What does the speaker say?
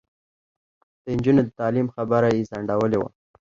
د نجونو د تعلیم خبره یې ځنډولې وه.